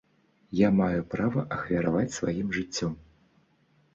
Я маю права ахвяраваць сваім жыццём.